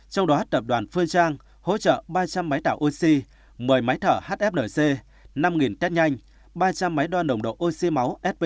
trong đó tập đoàn phơi trang hỗ trợ ba trăm linh máy tạo oxy một mươi máy thở hfnc năm test nhanh ba trăm linh máy đo nồng độ oxy máu sp